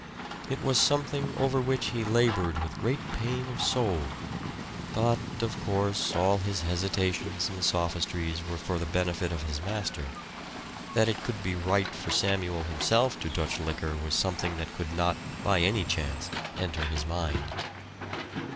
It was something over which he labored with great pain of soul. But, of course, all his hesitations and sophistries were for the benefit of his master that it could be right for Samuel himself to touch liquor was something that could not by any chance enter his mind.